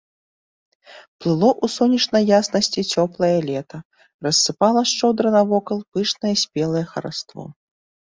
Плыло ў сонечнай яснасці цёплае лета, рассыпала шчодра навокал пышнае спелае хараство.